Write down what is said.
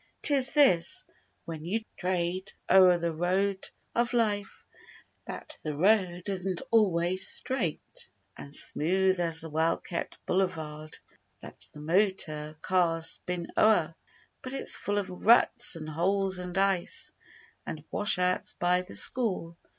'Tis this: When you trail o'er the Road of Life— That the road isn't always straight And smooth as the well kept boulevard That the motor cars spin o'er; But it's full of ruts and holes and ice And washouts by the score.